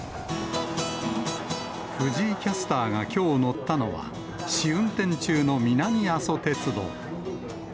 藤井キャスターがきょう乗ったのは、試運転中の南阿蘇鉄道。